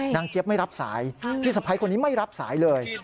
เจี๊ยบไม่รับสายพี่สะพ้ายคนนี้ไม่รับสายเลย